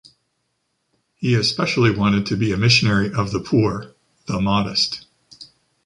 He especially wanted to be a missionary of the poor, the modest.